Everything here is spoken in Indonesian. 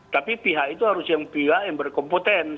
tapi pihak itu harus yang berkompetensi